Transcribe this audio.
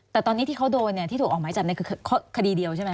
แต่ตอนนี้ที่เขาโดนที่ถูกออกหมายจับคือคดีเดียวใช่ไหม